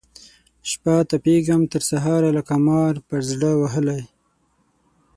شپه تپېږم تر سهاره لکه مار پر زړه وهلی